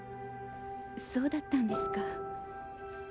そうだったんですか。